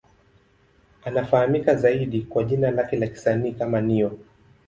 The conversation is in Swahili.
Anafahamika zaidi kwa jina lake la kisanii kama Ne-Yo.